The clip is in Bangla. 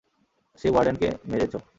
সে ওয়ার্ডেনকে মেরেছ।